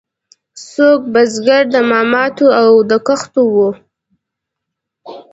څوک بزګر د مامتو او د کښتو وو.